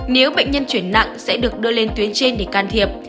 nếu bệnh nhân chuyển nặng sẽ được đưa lên tuyến trên để can thiệp